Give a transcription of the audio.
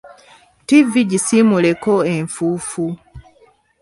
Ttivvi gisiimuuleko enfuufu.